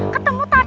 ketemu tadi pagi